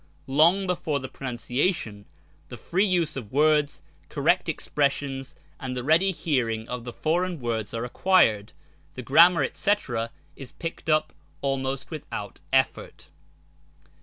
Long before the pronunciation, the free use of words, cor rect expressions, and the ready hearing of the foreign words are acquired, the grammar, &c. is picked up almost without effort.